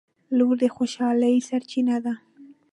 • لور د خوشحالۍ سرچینه ده.